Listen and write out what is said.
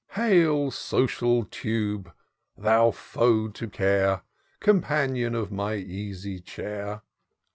" Hail, social tube ! thou foe to care ! Companion of my easy chair